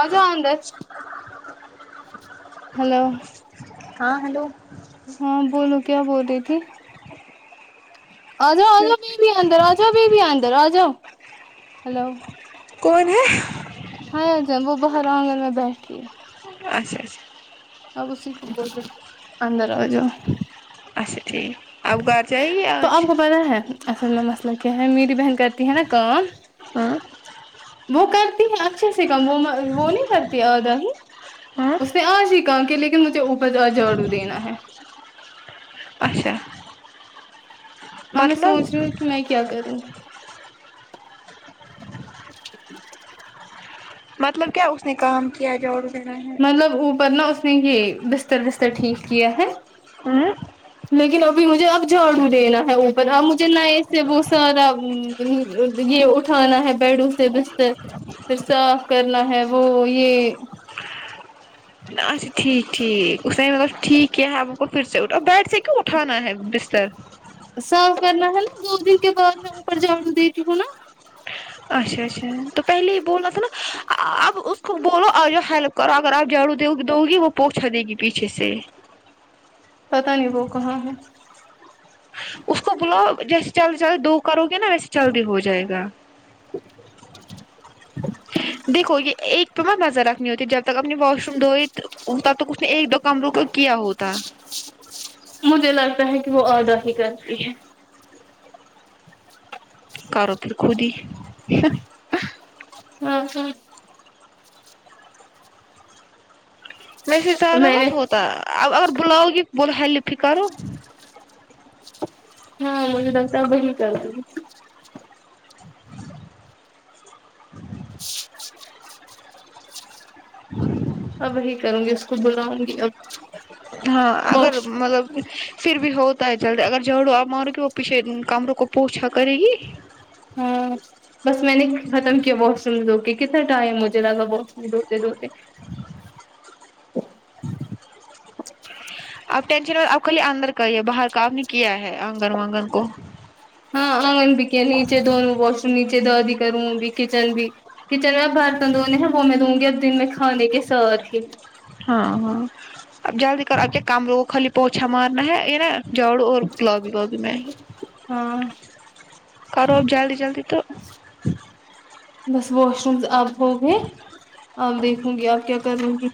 آجاو اندر ہلو ہاں ہلو ہاں بولو کیا بول رہی تھی آجاؤ آجاؤ ببی اندر آجاؤ ببی اندر آجاؤ ہلو کون ہے ہاں جنبو باہر آنگن میں بیٹھی ہے اچھا اچھا اب اسی کو بولرے اندر آجاؤ اچھا ٹھیک آپ گھر جائیے تو آج آپ کو پتا ہے اصل میں مسئلہ کیا ہے میری بہن کرتی ہے نا کام ہاں وہ کرتی ہے اچھے سے کم وہ وہ نہیں کرتی آدا ہی ہاں اس نے آج ہی کام کی لیکن مجھے اوپر آج جھاڑو دینا ہے اچھا میں میں سوچ مطلب رہی ہوں کہ میں کیا کروں مطلب کیا اس نے کام کیا جاڑو مطلب اوپر نا اس نے یہ بستر وستر ٹھیک کیا ہے ہوں لیکن ابھی مجھے اب جھاڑو دینا ہے اوپر اب مجھے نئے سے وہ سارا یہ اٹھانا ہے بڈوں سے بستر پھر صاف کرنا ہے وہ یہ اچھا ٹھیک ٹھیک اس نے مطلب ٹھیک کیا ہے آ کو پھر سےٹھ بیٹھ سے کیوں اٹھانا ہے بستر سرو کرنا ہے نا دو دن کے بعد میں اوپر جاڑو دیتی ہوں نا اچھا اچھا تو پہلے یہ بولنا تھا نا اب اس کو بولو آو ہیلپ کراو کراو آپ جھاڑو دو گی وہ پوچھا دے گی پیچھے سے پتا نہیں وہ کہاں ہے تو بلو جیسے جلدی جلدی دو کرو گے نا ویسے جلدی ہو جائے گا دیکھو یہ ایک پر مت نظر رکھنی ہوتی ہے جب تک اپنی واش روم دھوئی تب تک اس نے ایک دو کمروں کو کیا ہوتا مجھے لگتا ہے کہ وہ اڈر ہی کرتی ہے کرو پھر خود ہی [unintelligible] وسے زیادہ میں نے مت ہوتا ا اب بلاؤ گی بول ہیلپ ہی کرو ہاں مجھے لگتا وہی کرے اب وہی کروں گی اس کو بلاؤں گی اب ہاں اگر بس مطلب پھر بھی ہوتا ہے جلدی اگر جھاڑو آپ مارو گے وہ پیچھے کمروں کو پوچھا کرے گی ہاں بس میں نے ختم کیا واش روم دھو کے کتنا ٹائم مجھے لگا واش روم دھوتے دھوتے آپ ٹینشن آپ کلے اندر کا ہی باہر کا آپ نے کیا ہے آنگن وانگن کو ہاں آنگن بھی کیا نیچے دونوں واش روم نیچے دادی کروں بھی کچن بھی کچن میں اب برتن دھونے ہیں وہ میں دھوں گی اب دن میں کھانے کے ساتھ ہی ہاں ہاں اب جلدی کرو اب کیا کامرو کو خالی پوچھا مارنا ہے یہ نا جاڑو اور گلابی گلابی میں ہاں کرو آپ جلدی جلدی تو بس واش رومز اب ہو گئے اب دیکھوں گی آپ کیا کروں گی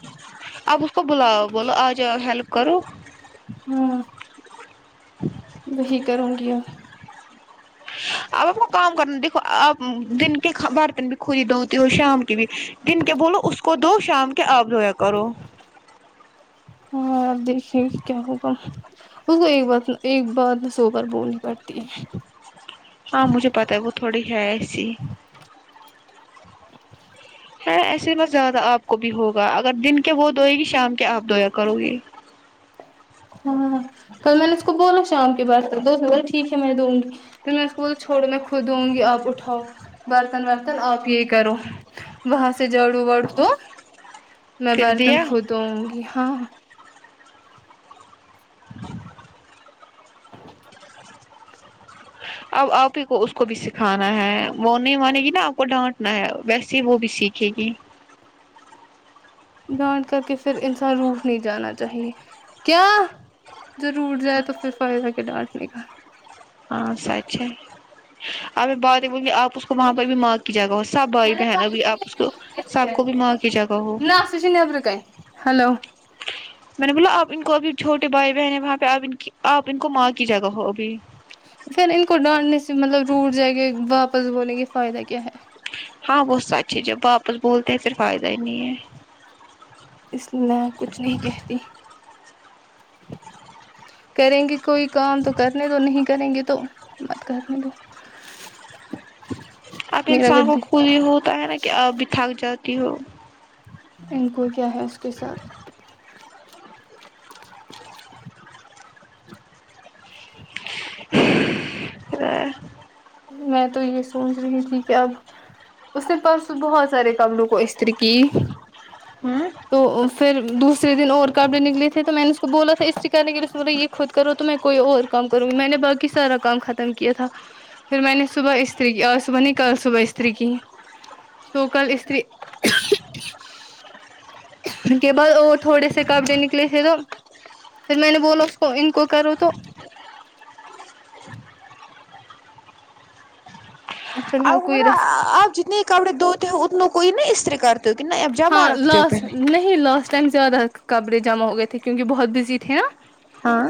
آپ اس کو بلاؤ بولو آجاؤ ہیلپ کرو ہوں وہی کروں گی ا اب آپ کو کام کرنا دیکھو آپ دن کے برتن بھی کھودی دھوتی ہو شام کے بھی دن کے بولو اس کو دو شام کے آپ دھویا کرو ہاں دیکھے کیا ہوگا اس کو ایک بات ایک بات سو بار بولنی پڑتی ہے ہاں مجھے پتا ہے وہ تھوڑی ہے ایسی ہے ایسے بت زیادہ آپ کو بھی ہوگا اگر دن کے وہ دوئے گی شام کے آپ دویا کرو گی ہاں کل میں نے اس کو بولا شام کے بعد دھو بولے ٹھیک ہے میں دوں گی پھر میں اس کو بول چھوڑو میں خود دوں گی آپ اٹھاؤ برتن ورتن آپ یہی کرو وہاں سے جاڑوں واڑوں دو میں پھر برتن دیا خود دھوں گی ہاں اب آپ ہی کو اس کو بھی سکھانا ہے وہ نہیں مانے گی نا آپ کو ڈانٹنا ہے ویسے وہ بھی سیکھ ٹھیک ہے ڈانٹ کر کے پھر انسان روٹھ نہیں جانا چاہیے کیا ضرور جائے تو پھر فائدہ کے ڈانٹنے کا ہاں سچ ہے اب باتیں بول گی آپ اس وہاں پہ بھی ماں کی جگہ ہو سب بھائی بہنوں بھی آپ اس کو سب کو بھی ماں کی جگہ ہو [unintelligible] نیبر کا ہیلو میں نے بولا آپ ان کو ابھی چھوٹے بھائی بہن ہیں وہاں پہ آپ ان کی آپ ان کو ماں کی جگہ ہو ابھی پھر ان کو ڈانٹنے سے مطلب روٹ جائے گے واپس بولنے کے فائدہ کیا ہے ہاں وہ سچ ہے جب واپس بولتے ہیں پھر فائدہ ہی نہیں ہے اس میں کچھ نہیں کہتی کریں گے کوئی کام تو کرنے دو نہیں کریں گے تو مت کرنے دو اب میرا انسان کو گدے خود ہی ہوتا ہے نا کہ اب بھی تھک جاتی ہو ان کو کیا ہے اس کے ساتھ ا میں تو یہ سوچ رہی تھی کہ اب اس نے پرسو بہت سارے کمروں کو استری کی ہوں تو پھر دوسرے دن اور کپڑے نکلے تھے تو میں نے اس کو بولا تھا اسٹ کرنے کے بولے یہ خود کرو تو میں کوئی اور کام کروں گی میں نے باقی سارا کام ختم کیا تھا پھر میں نے صبح استری کی آج صبح نہیں کل صبح استری کی تو کل استری کے بعد اور تھوڑے سے کپڑے نکلے تھے تو پھر میں نے بولا اس کو ان کو کرو تو فی [unintelligible] الحال کوئی ریسپ آپ جتنے کپڑے دھوتے ہو اتوں کوئی نہیں استری کر تو کے نہ اپ جمع رکھتے ہو نہی لاسٹ ٹائم زیادہ کپڑے جمع ہو گئے تھے کیونکہ بہت بزی تھے نا ہاں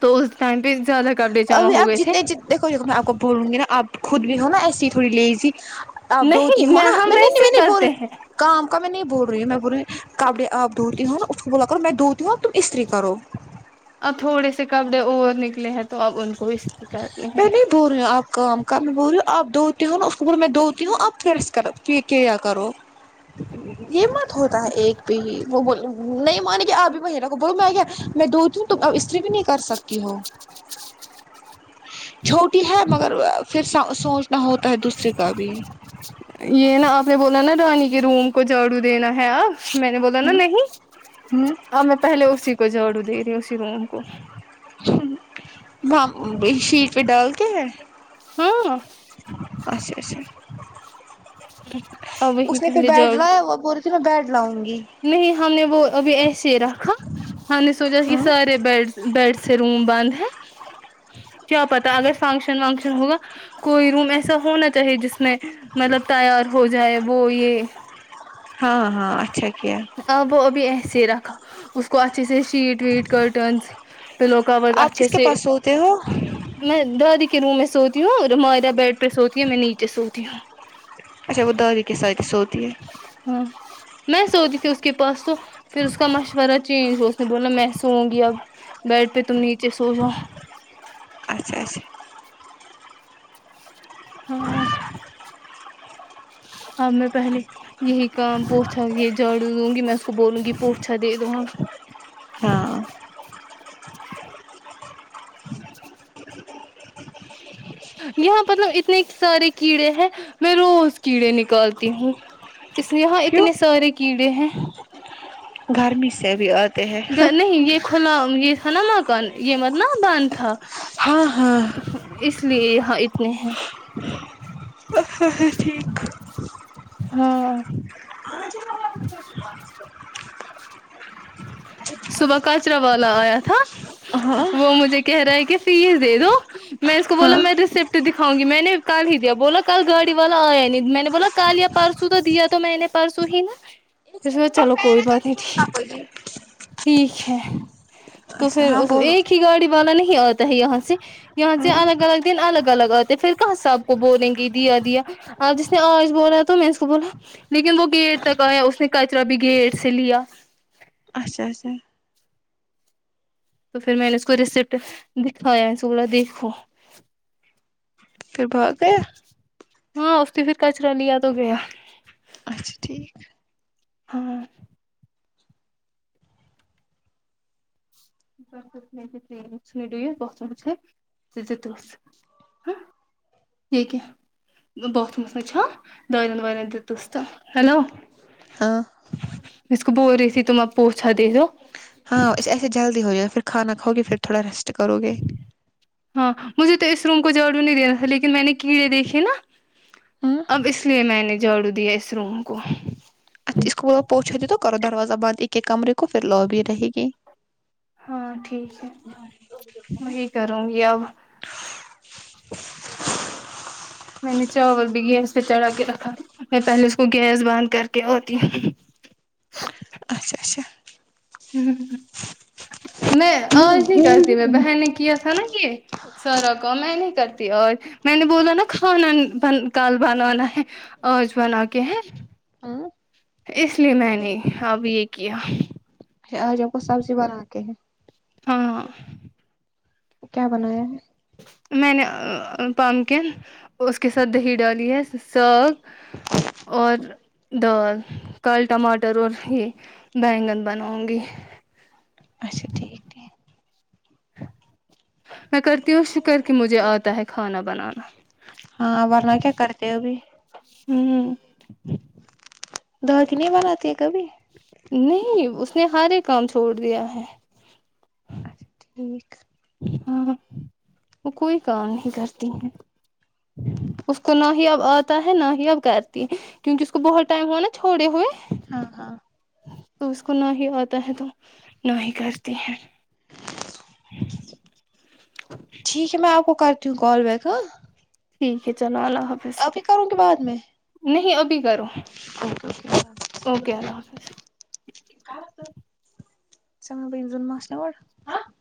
تو اس ٹائم پہ زیادہ کپڑے جمع ابھی ہو آپ گئے تھے جتنے جتنے کو دیکھو دیکھو میں آپ کو بولوں گی نا آپ خود بھی ہو نا ایسی ہی تھوڑی لیزی آپ دھو تھی نہیں میں ہونا ہم نی نی ویسے ہی منی بول کرتے ہیں کام کا میں نہیں بول رہی ہوں میں بول رہی کپڑے آب دھوتی ہوں نا اس کو بولا کر میں دھوتی ہوں اب تم استری کرو اب تھوڑے سے کپڑے اور نکلے ہیں تو اب ان کو استری کرنی ہیں ار آپ کا [unintelligible] کل میں بول ریوں اب دوتی ہوں نا اس کو بول میں دوتی ہوں آب فرس کرو یہ کیا کرو دیکھینگے یہ مت ہوتا ہے ایک بھی ہی وہ وہ نہیں مانے گے آب بھی میرا کو بول میں کیا میں دوتیوں تم اب استری بھی نہیں کر سکتی ہو چھوٹی ہے مگر پھر سہ سوچنا ہوتا ہے دوسری کا بھی یہ نا آپ نے بولا نا رانی کے روم کو جھاڑو دینا ہے اب میں نے بولا نا نہیں ہوں آ میں پہلے اسی کو جاڑو دے رہی ہوں اسی روم کو وہاں بشیٹ پہ ڈال کے ہے ہاں اچھا اچھا اب اس وہی نے پھر پہلے جھاڑو بیٹھا وہ بول رہی تھی میں بیڈ لاؤں گی نہیں ہم نے وہ ابھی ایسے ہی رکھا ہم نے سوچا کہ ہوں سارے بڈس بیڈ سے روم بند ہے کیا پتا اگر فنکشن ونکشن ہوگا کوئی روم ایسا ہونا چاہیے جس میں مطلب تیار ہو جائے وہ یہ ہاں ہاں اچھا کیا ابو بھی ایسے رکھا اس کو اچھے سے شیٹ ویٹ کرٹنس پلو کور آپ اچھے کس کے سے پاس سوتے ہو میں دادی کے روم میں سوتی ہوں اور مائرہ بیڈ پہ سوتی ہے میں نیچے سوتی ہوں اچھا وہ دادی کے ساتھ ہی سوتی ہے ہاں میں سوتی تھی اس کے پاس تو پھر اس کا مشورہ چینج ہو نے بولا میں سوؤں گی اب بیڈ پہ تم نیچے سو جاو اچھا اچھا ہاں اب میں پہلیے یہی کام پوچھا یہ جھاڈو دوں گی میں اس کو بولوں گی پوچھا دے دو ہاں ہاں [inaudible] یہاں مطلب اتنے سارے کیڑے ہیں میں روز کیڑے نکالتی ہوں اس یہاں کیوں اتنے سارے کیڑے ہیں گرمی سے بھی ا نہیں یہ کھلا یہ تھا نا مگ کل یہ مت نہ بند تھا ہاں ہاں اس لیے یہاں اتنے ہیں اچھا ہے ٹھیک ہاں [unintelligible] صبح کچرا والا آیا تھا ہاں وہ مجھے کہہ رہا ہے کہ فیس دے دو میں اس کو بولا ہاں میں ریسپٹ دکھاؤں گی میں نے کل ہی دیا بولا کل گاڑی والا آیا نہیں میں نے بولا کل یا پرسوں تو دیا تو میں نے پرسوں ہی نا پھر چلو کوئی بات نہیں ٹھیک [unintelligible] ٹھیک ہے تو اچھا پھر ہاں بولو ایک ہی گاڑی والا نہیں آتا ہے یہاں سے یہاں ہاں سے الگ الگ دن الگ الگ آتے ہیں پھر کہاں سب کو بولیں گے دیا دیا اب جس نے آج بولا تو میں اس کو بولا لیکن وہ گیٹ تک آیا اس نے کچرا بھی گیٹ سے لیا اچھا اچھا تو پھر میں نے اس کو ریسیپٹ دکھایا اس کو بولا دیکھو پھر بھگ گیا ہاں استی پھر کچرا لیا تو گیا اچھا ٹھیک ہاں [unintelligible] ہہ یہ کیا دہ پرفومے پوچھ دارین وارن دتس تو ہلو ہاں اس کو بول رہی تھی تم آب پوچھا دے دو ہاں ایسے جلدی ہو جائے پھر کھانا کھاؤ گے پھر تھوڑا ریسٹ کرو گے ہاں مجھے تو اس روم کو جڑو نہیں دینا تھا لیکن میں نے کیے دیکھئے نا ہاں اب اس لیے میں نے جڑو دیا اس روم کو اچھا اس کو پہنچا دے تو کرو دروازہ بند ایک ایک کمرے کو پھر لوابی رہے گی ہاں ٹھیک ہے وہی کروں گی اب میں نے چاول بھی گیس پہ چڑھا کے رکھا میں پہلے اس کو گیس بند کر کے اتی ہوں اچھا اچھا ہ میں آج نہیں کرتی میں بہن نے کیا تھا نا یہ سارا کام میں نہیں کرتی اور میں نے بولا نا کھانا ب ن کال بنانا ہے اج بناکے ہے آ اس لیے میں نے اب یہ کیا آج ہم کو سبزی بنا کے ہیں ہاں کیا بنایا ہے میں نے پمکن اس کے ساتھ دہی ڈالی ہے ساگ اور دال کال ٹماٹر اور یہ بیگن بناؤں گی اچھا ٹھیک ٹھیک میں کرتی ہوں شکر کہ مجھے آتا ہے کھانا بنانا ہاں ورنہ کیا کرتے ہو ابھی ہوں دڑ کی نہیں بناتی ہے کبھی نہیں اس نے ہارے کام چھوڑ دیا ہے اچھا ٹھیک ہاں وہ کوئی کام نہیں کرتی ہیں اس کو نہ ہی اب آتا ہے نہ ہی اب کرتی کیونکہ اس کو بہت ٹائم ہوا نا چھوڑے ہوئے ہاں ہاں تو اس کو نہ ہی آتا ہے تو نہ ہی کرتی ہیں ٹھیک ہے میں آپ کو کرتی ہوں کال بیک ہاں ٹھیک ہے چلو اللہ حافظ ابھی کروں گی بعد میں نہیں ابھی کرو اوکے اللہ اوکے حافظ آکے [unintelligible]